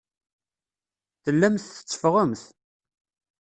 Tellamt tetteffɣemt.